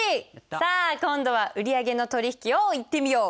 さあ今度は売上の取引をいってみよう。